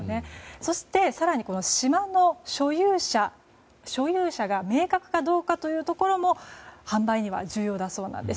そして、更に島の所有者が明確かどうかというところも販売には重要だそうなんです。